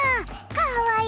かわいい！